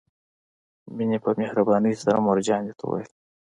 مينې په مهربانۍ سره مور جانې ته وويل.